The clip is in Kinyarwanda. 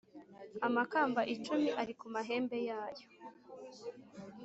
amakamba icumi ari ku mahembe yayo